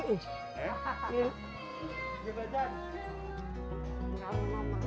ini mbak putri